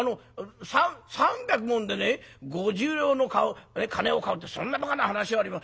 三百文で五十両の金を買うってそんなばかな話はありま。